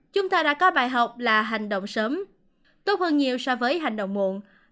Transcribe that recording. chúng ta đã có bài học là hành động sớm tốt hơn nhiều so với hành động muộn